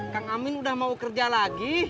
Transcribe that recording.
kang amin udah mau kerja lagi